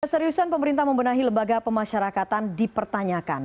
keseriusan pemerintah membenahi lembaga pemasyarakatan dipertanyakan